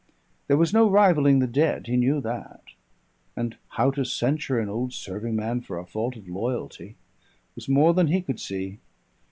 There was no rivalling the dead, he knew that; and how to censure an old serving man for a fault of loyalty was more than he could see.